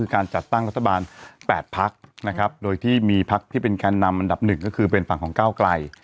การจัดตั้งรัฐบาล๘พักนะครับโดยที่มีพักที่เป็นแกนนำอันดับหนึ่งก็คือเป็นฝั่งของก้าวไกล